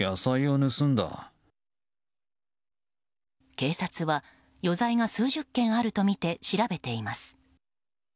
警察は余罪が数十件あるとみて調べています。